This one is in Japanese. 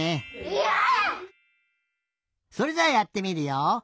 うわ！それじゃあやってみるよ。